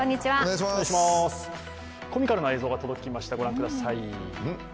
コミカルな映像が届きました、ご覧ください。